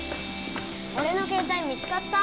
俺の携帯見つかった？